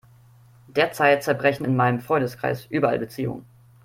Derzeit zerbrechen in meinem Freundeskreis überall Beziehungen.